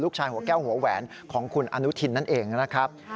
หัวแก้วหัวแหวนของคุณอนุทินนั่นเองนะครับ